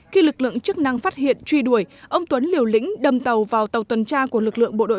khi lực lượng chức năng phát hiện truy đuổi ông tuấn liều lĩnh đâm tàu vào tàu tuần tra của lực lượng bộ đội